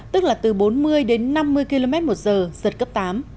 tức là từ bốn mươi đến năm mươi km một giờ giật cấp tám